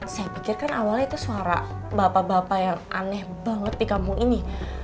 saya pikirkan awalnya itu suara bapak bapak yang aneh banget di kampung ini